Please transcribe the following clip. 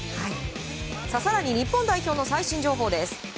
更に日本代表の最新情報です。